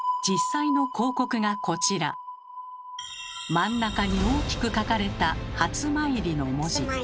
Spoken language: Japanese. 真ん中に大きく書かれた「初詣」の文字。